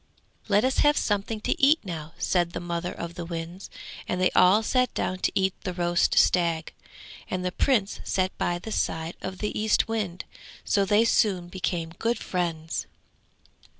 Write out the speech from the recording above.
'Let us have something to eat now!' said the mother of the winds; and they all sat down to eat the roast stag, and the Prince sat by the side of the Eastwind, so they soon became good friends.